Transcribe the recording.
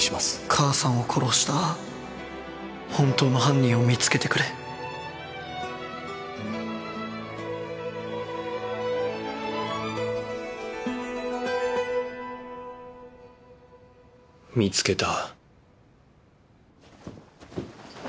母さんを殺した本当の犯人を見つけてくれ見つけた。